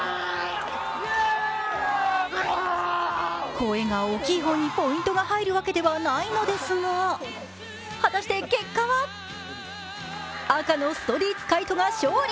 声が大きい方にポイントが入るわけではないのですが、果たして結果は赤のストリーツ海飛が勝利。